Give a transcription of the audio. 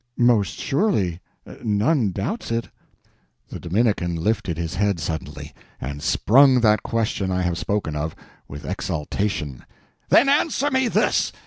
"Most surely. None doubts it." The Dominican lifted his head suddenly, and sprung that question I have spoken of, with exultation: "Then answer me this.